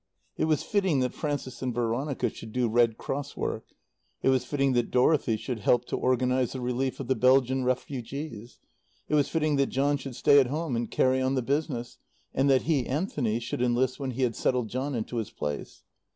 It was fitting that Frances and Veronica should do Red Cross work. It was fitting that Dorothy should help to organize the relief of the Belgium refugees. It was fitting that John should stay at home and carry on the business, and that he, Anthony, should enlist when he had settled John into his place.